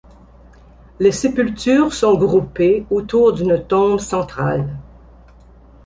Les sépultures sont groupées autour d'une tombe centrale.